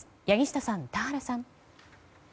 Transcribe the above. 柳下さん、田原さん。